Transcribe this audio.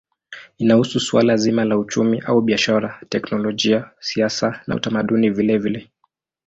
Inahusu suala zima la uchumi au biashara, teknolojia, siasa na utamaduni vilevile.